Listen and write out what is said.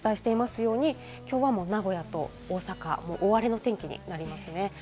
きょうは名古屋と大阪、大荒れの天気になりますね。